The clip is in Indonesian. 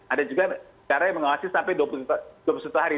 ada juga cara yang mengawasi sampai dua puluh satu hari